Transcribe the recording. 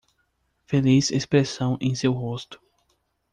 Feliz expressão em seu rosto